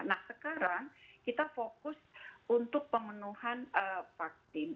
nah sekarang kita fokus untuk pemenuhan vaksin